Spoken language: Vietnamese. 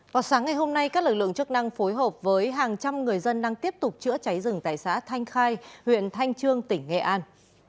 vào sáng ngày hôm nay các lực lượng chức năng phối hợp với hàng trăm người dân đang tiếp tục chữa cháy rừng tại xã thanh khai huyện thanh trương tỉnh nghệ an